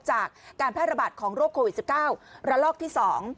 จากการแพร่ระบาดของโรคโควิด๑๙ระลอกที่๒